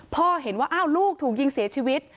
เห็นว่าอ้าวลูกถูกยิงเสียชีวิต